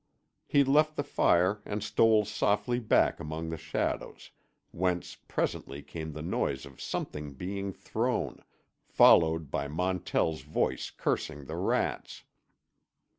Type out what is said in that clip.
He left the fire and stole softly back among the shadows, whence presently came the noise of something being thrown, followed by Montell's voice cursing the rats.